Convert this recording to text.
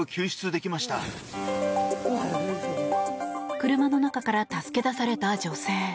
車の中から助け出された女性。